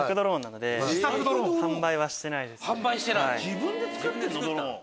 自分で作ってるの⁉ドローン。